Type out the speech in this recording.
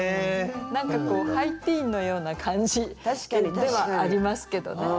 何かこうハイティーンのような感じではありますけどね。